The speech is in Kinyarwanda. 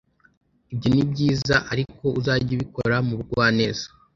ibyo ni byiza ariko uzajye ubikora mu bugwaneza